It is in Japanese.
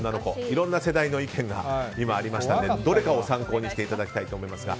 いろんな世代の意見が今、ありましたのでどれかを参考にしていただきたいと思いますが。